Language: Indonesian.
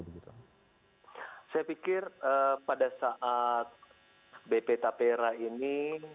saya pikir pada saat bp tapera ini